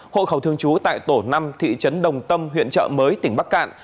hộ khẩu thương chú tại tổ năm thị trấn đồng tâm huyện chợ mới tỉnh bắc cạn